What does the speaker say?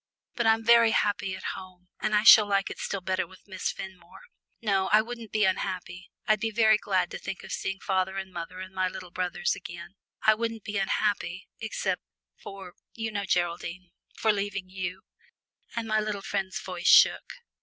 But I'm very happy at home, and I shall like it still better with Miss Fenmore. No, I wouldn't be unhappy I'd be very glad to think of seeing father and mother and my little brothers again I wouldn't be unhappy, except for you know, Geraldine for leaving you," and my little friend's voice shook.